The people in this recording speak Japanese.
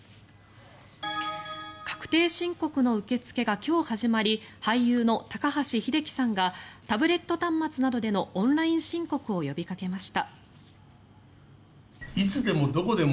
確定申告の受け付けが今日、始まり俳優の高橋英樹さんがタブレット端末などでのオンライン申告を呼びかけました。